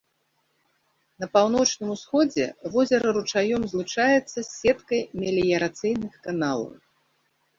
На паўночным усходзе возера ручаём злучаецца з сеткай меліярацыйных каналаў.